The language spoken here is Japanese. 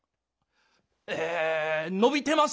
え伸びてます。